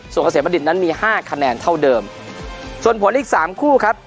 ส่วนเกษมบัณฑิตนั้นมีห้าคะแนนเท่าเดิมส่วนผลอีกสามคู่ครับ